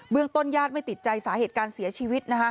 เบื้องต้นญาติไม่ติดใจสาเหตุการณ์เสียชีวิตนะฮะ